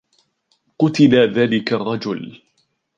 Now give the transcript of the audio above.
قتل ذلك الرجل.